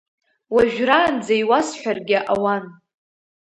Уажәраанӡа иуасҳәаргьы ауан…